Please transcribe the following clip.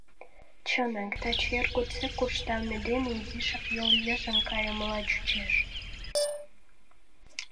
Чынак, таче эр годсек куржталме дене изишак йол йыжыҥ кайымыла чучеш.